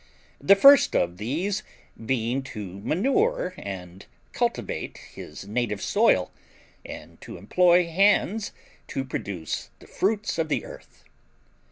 The first of these being to manure and cultivate his native soil, and to employ hands to produce the fruits of the earth.